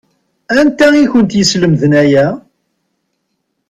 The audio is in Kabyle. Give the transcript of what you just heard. Anta i kent-yeslemden aya?